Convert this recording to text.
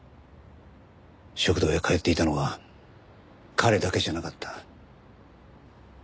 食堂へ通っていたのは彼だけじゃなかった。